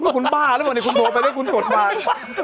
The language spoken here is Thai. คุณบ้าหรือเปล่าเนี่ยคุณโทรไปแล้วคุณกดมา